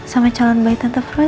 sama calon baik tante frozen